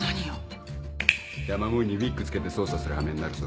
ヤマムーにウィッグ着けて捜査する羽目になるぞ。